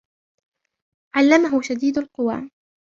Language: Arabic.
علمه شديد القوى